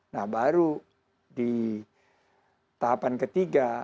nah baru di tahapan ketiga